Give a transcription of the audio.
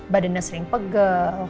badannya sering pegel